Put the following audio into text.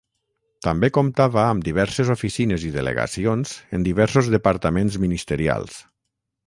També comptava amb diverses oficines i delegacions en diversos departaments ministerials.